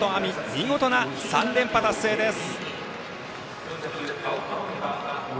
見事な３連覇達成です。